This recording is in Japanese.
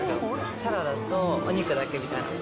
サラダとお肉だけみたいな。